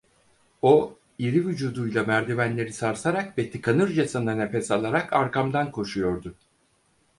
O, iri vücuduyla merdivenleri sarsarak ve tıkanırcasına nefes alarak arkamdan koşuyordu.